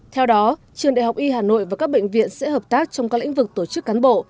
theo đó trường đại học y hà nội và các bệnh viện sẽ hợp tác trong các lĩnh vực tổ chức cán bộ